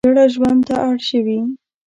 چړه ژوند ته اړ شوي.